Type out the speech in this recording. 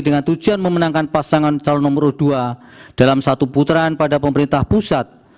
dengan tujuan memenangkan pasangan calon nomor dua dalam satu putaran pada pemerintah pusat